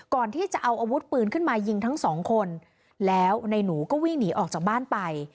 ก่อนที่จะเอาอาวุธปืนขึ้นมายิงทั้งสองคนแล้วในหนูก็วิ่งหนีออกจากบ้านไป